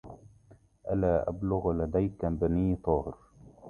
ألا ابلغ لديك بني طاهر